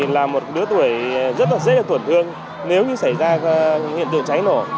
là một đứa tuổi rất là dễ tổn thương nếu như xảy ra hiện tượng cháy nổ